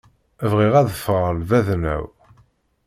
Bɣiɣ ad ffreɣ lbaḍna-w.